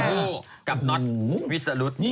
ดอกไม้นี่แบบคุณแม่